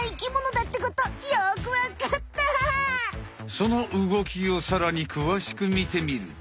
その動きをさらにくわしくみてみると。